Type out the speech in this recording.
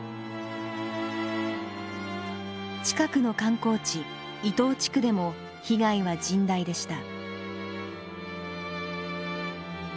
近くの観光地伊東地区でも被害は甚大でした。